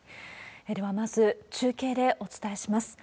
では、まず中継でお伝えします。